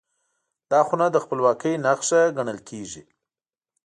دا خونه د خپلواکۍ نښه ګڼل کېږي.